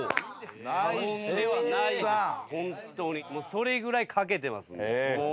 それぐらい懸けてますんで。